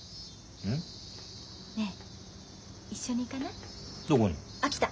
ん？ねえ一緒に行かない？